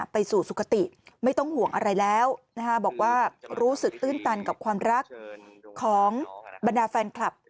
ไปสู่สุขติไม่ต้องห่วงอะไรแล้วบอกว่ารู้สึกตื้นตันกับความรักของบรรดาแฟนคลับ